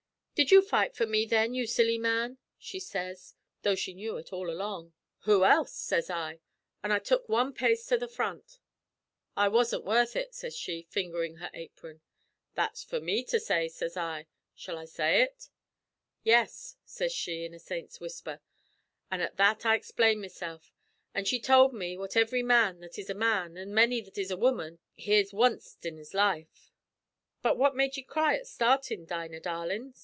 "'Did you fight for me then, ye silly man?' she sez, tho' she knew ut all along. "'Who else?' sez I; an' I tuk wan pace to the front. "'I wasn't worth ut,' sez she, fingerin' her apron. "'That's for me to say,' sez I. 'Shall I say ut?' "'Yes,' sez she, in a saint's whisper; an' at that I explained mesilf; an' she tould me what ivry man that is a man, an' many that is a woman, hears wanst in his life. "'But what made ye cry at startin', Dinah, darlin'?'